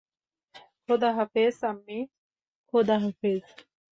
খোদা হাফেজ আম্মি, খোদা হাফেজ।